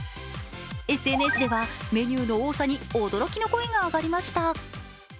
ＳＮＳではメニューの多さに驚きの声が上がりました。